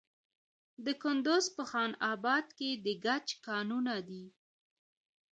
د کندز په خان اباد کې د ګچ کانونه دي.